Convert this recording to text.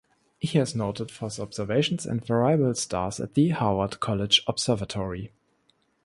He is noted for his observations of variable stars at the Harvard College Observatory.